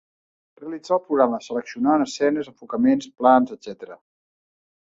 Realitzar el programa seleccionant escenes, enfocaments, plans, etc.